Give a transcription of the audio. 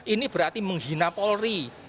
ini berarti menghina polri